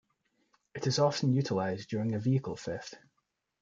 It is often utilized during a vehicle theft.